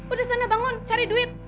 udah sana bangun cari duit